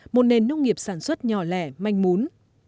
một nền nông nghiệp sản xuất nhỏ lẻ manh mún